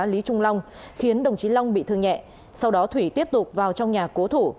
lý trung long khiến đồng chí long bị thương nhẹ sau đó thủy tiếp tục vào trong nhà cố thủ